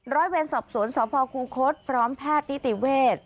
ร้อยเวนสอบสวนสคูโค้ดพร้อมแพทย์นิติเวท